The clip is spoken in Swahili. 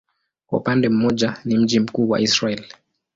Kwa upande mmoja ni mji mkuu wa Israel.